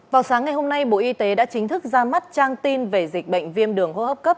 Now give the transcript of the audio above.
vào sáng ngày hôm nay bộ y tế đã chính thức ra mắt trang tin về dịch bệnh viêm đường hô hấp cấp